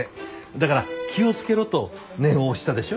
だから気をつけろと念を押したでしょ。